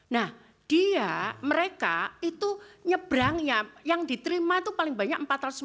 nah dia mereka itu nyebrangnya yang diterima itu paling banyak empat ratus empat puluh